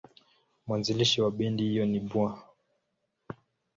Mwanzilishi wa bendi hiyo ni Bw.